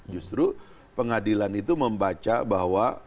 justru pengadilan itu membaca bahwa